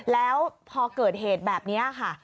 แล้วพอเกิดเหตุแบบนี้ค่ะ